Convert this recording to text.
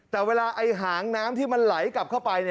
แต่เวลาไอ้หางน้ำที่มันไหลกลับเข้าไป